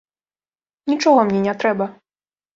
Нічога мне не трэба.